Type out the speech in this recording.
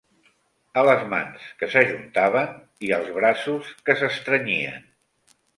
A les mans, que s'ajuntaven, i als braços, que s'estrenyien